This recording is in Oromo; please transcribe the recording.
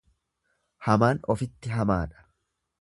Hamaan ofitti hamaadha.